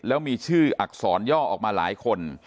แล้วมีชื่ออักษรย่อออกมาหลายคน